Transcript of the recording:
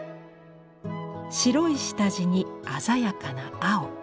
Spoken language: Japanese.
白い下地に鮮やかな青。